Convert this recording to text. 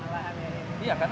karena bahannya sudah tidak ada